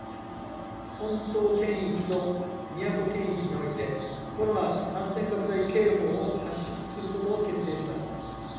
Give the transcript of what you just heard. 本島圏域と宮古圏域において、コロナ感染拡大警報を発出することを決定しました。